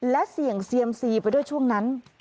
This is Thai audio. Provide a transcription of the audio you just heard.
และเสี่ยงเซียมซีไปด้วยช่วงนั้น